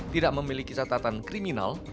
tidak memiliki catatan kriminal